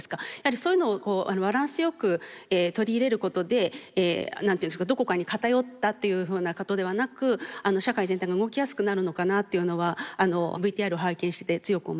そういうのをバランスよく取り入れることでどこかに偏ったというふうなことではなく社会全体が動きやすくなるのかなというのはあのＶＴＲを拝見してて強く思います。